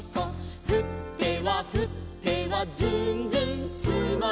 「ふってはふってはずんずんつもる」